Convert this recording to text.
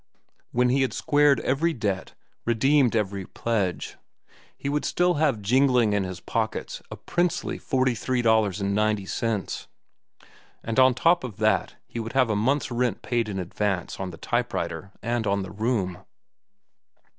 When he had squared every debt, redeemed every pledge, he would still have jingling in his pockets a princely $43.90. And on top of that he would have a month's rent paid in advance on the type writer and on the room.